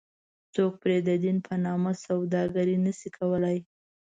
څوک پرې ددین په نامه سوداګري نه شي کولی.